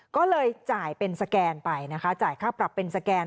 ก็เลยจ่ายเป็นสแกนไปนะคะจ่ายค่าปรับเป็นสแกน